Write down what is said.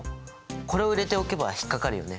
これを入れておけば引っ掛かるよね。